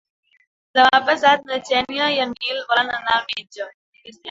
Demà passat na Xènia i en Nil volen anar al metge.